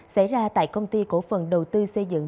xảy ra tại công ty cổ phần đầu tư xây dựng